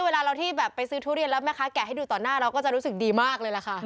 เวลาเราที่แบบไปซื้อทุเรียนแล้วแม่ค้าแกะให้ดูต่อหน้าเราก็จะรู้สึกดีมากเลยล่ะค่ะ